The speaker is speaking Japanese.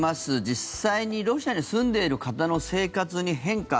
実際にロシアに住んでいる方の生活に変化